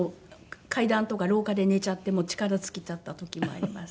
階段とか廊下で寝ちゃって力尽きちゃった時もあります。